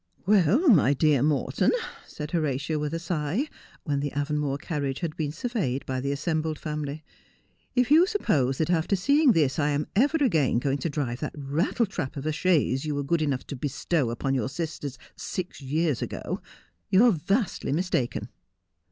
' Well, my dear Morton,' said Horatia, with a sigh, when the Avonmore carriage had been surveyed by the assembled family, ' if you suppose that after seeing this I am ever again going to drive that rattletrap of a chaise you were good enough to bestow upon your sisters six years ago, you are vastly mistaken.'